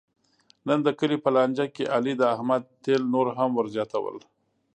نن د کلي په لانجه کې علي د احمد تېل نور هم ور زیاتول.